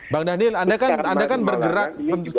bang daniel anda kan bergerak